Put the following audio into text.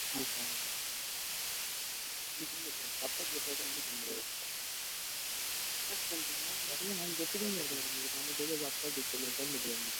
The pond is actually situated on the remains of a crater.